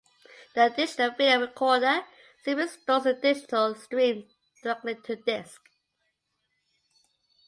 The digital video recorder simply stores the digital stream directly to disk.